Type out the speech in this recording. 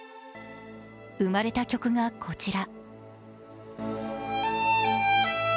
生まれた曲がこちら。